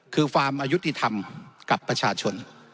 คือฟาร์มอายุติธรรมกับประชาชน